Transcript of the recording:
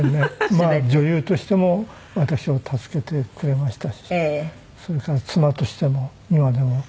まあ女優としても私を助けてくれましたしそれから妻としても今でも尽くしてくれますし。